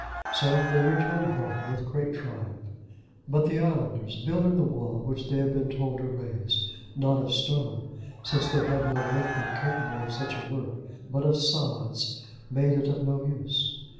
So they returned home with great triumph. But the islanders building the wall which they had been told to raise, not of stone, since they had no workmen capable of such a work, but of sods, made it of no use.